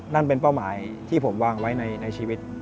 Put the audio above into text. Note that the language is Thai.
นั่นเป็นเป้าหมายที่ผมวางไว้ในชีวิต